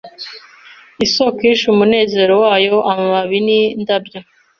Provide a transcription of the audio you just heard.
Isoko ihisha umunezero wayo amababi nindabyo